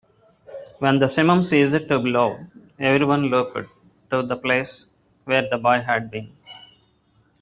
When the simum ceased to blow, everyone looked to the place where the boy had been.